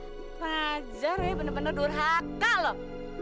bagaimana aja naya bener bener durhaka loh